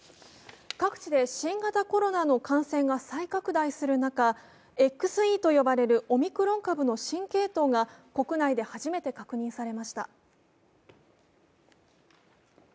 各地で新型コロナの感染が再拡大する中、ＸＥと呼ばれるオミクロン株の新系統が国内で初めて確認されました。